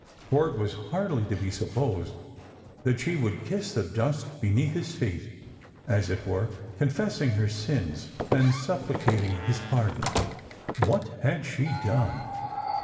For it was hardly to be supposed that she would kiss the dust beneath liis feet, as it were, confessing oer sins, and supplicating his pardon. What had she done